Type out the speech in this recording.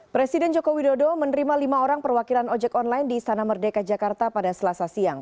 presiden joko widodo menerima lima orang perwakilan ojek online di istana merdeka jakarta pada selasa siang